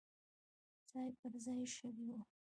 ځای پر ځای شوي وو.